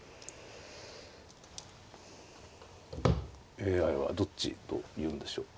ＡＩはどっちと言うんでしょうか。